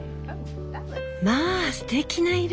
まあすてきな色。